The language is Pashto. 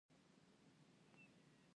ازادي راډیو د بیکاري د ستونزو رېښه بیان کړې.